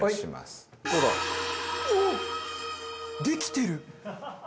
できてる。